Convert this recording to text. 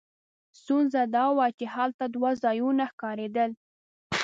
ستونزه دا وه چې هلته دوه ځایونه ښکارېدل.